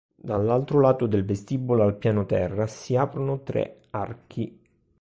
Dall'altro lato del vestibolo al pianoterra si aprono tre archi.